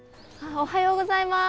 おはようございます。